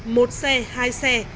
một xe hai xe